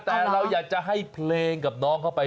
แต่เราอยากจะให้เพลงกับน้องเข้าไป